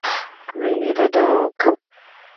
Telford United and joined the Northern Premier League.